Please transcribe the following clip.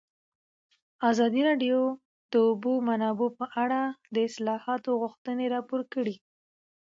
ازادي راډیو د د اوبو منابع په اړه د اصلاحاتو غوښتنې راپور کړې.